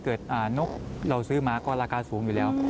นกเราซื้อมาก็ราคาสูงอยู่แล้ว